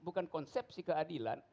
bukan konsepsi keadilan